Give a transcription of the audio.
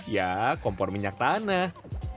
ya kompor minyak tanah